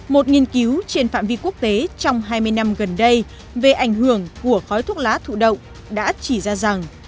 một nghiên cứu trên phạm vi quốc tế trong hai mươi năm gần đây về ảnh hưởng của khói thuốc lá thụ động đã chỉ ra rằng